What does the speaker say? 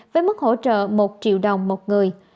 với mức hỗ trợ một triệu đồng một người